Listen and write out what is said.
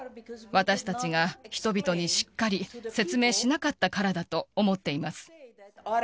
私たちが、人々にしっかり説明しなかったからだと思っています。